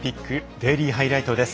デイリーハイライトです。